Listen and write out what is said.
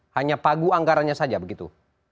hanya pagu anggarannya saja begitu